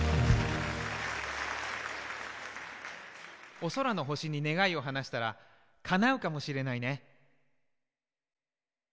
おそらのほしにねがいをはなしたらかなうかもしれないね。